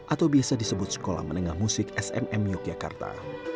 atau biasa disebut sekolah menengah musik smm yogyakarta